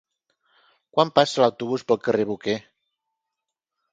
Quan passa l'autobús pel carrer Boquer?